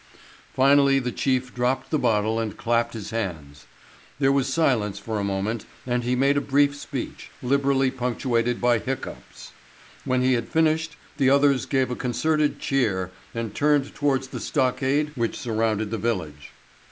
Finally the chief dropped the bottle and clapped his hands. There was silence for a moment and he made a brief speech, liberally punctuated by hiccoughs. When he had finished the others gave a concerted cheer and turned towards the stockade which surrounded the village.